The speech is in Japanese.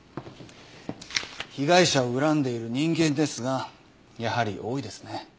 被害者を恨んでいる人間ですがやはり多いですね。